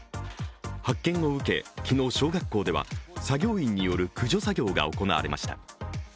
発見を受け、昨日小学校では作業員による駆除作業が行われました。